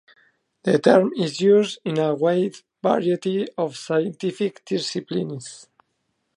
The term is used in a wide variety of scientific disciplines.